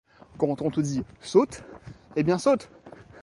Quand on te dit "saute" et bien saute !